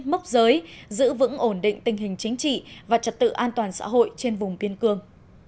mốc giới giữ vững ổn định tình hình chính trị và trật tự an toàn xã hội trên vùng kiên cường